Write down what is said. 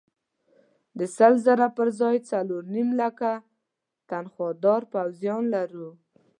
د سل زره پر ځای څلور نیم لکه تنخوادار پوځیان لرو.